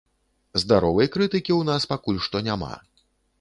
Здаровай крытыкі ў нас пакуль што няма.